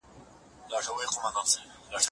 زه چپنه پاک کړې ده